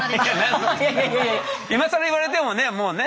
いやいや今更言われてもねもうね。